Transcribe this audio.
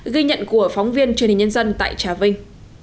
ghi nhận của phóng viên truyền hình nhân dân tại trà vinh